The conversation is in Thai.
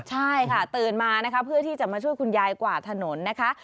ใช่ค่ะตื่นมานะคะเพื่อที่จะมาช่วยคุณยายกวาดถนนนะคะ